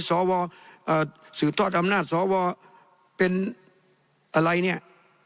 สวสืบทอดอำนาจสวเป็นอะไรเนี่ย